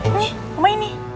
ini sama ini